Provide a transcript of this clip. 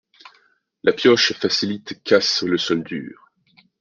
la pioche facilite casse le sol dur